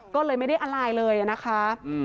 ก็เลยไม่ได้อะไรเลยนะคะ